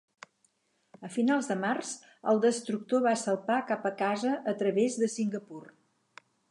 A finals de març, el destructor va salpar cap a casa a través de Singapur.